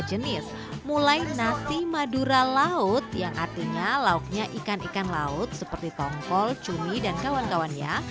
jenis mulai nasi madura laut yang artinya lauknya ikan ikan laut seperti tongkol cumi dan kawan kawannya